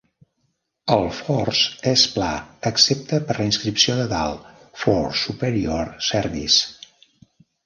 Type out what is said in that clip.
El fors és pla excepte per la inscripció de dalt "For Superior Service".